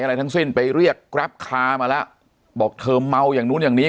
อะไรทั้งสิ้นไปเรียกแกรปคามาแล้วบอกเธอเมาอย่างนู้นอย่างนี้